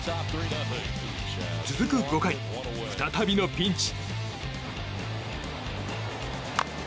続く５回、再びのピンチ。